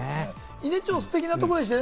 伊根町ステキなところでしたね。